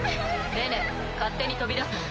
レネ勝手に飛び出すなよ。